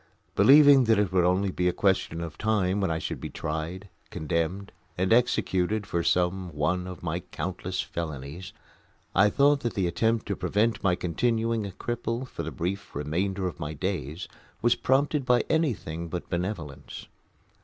Believing that it would be only a question of time when I should be tried, condemned, and executed for some one of my countless felonies, I thought that the attempt to prevent my continuing a cripple for the brief remainder of my days was prompted by anything but benevolence.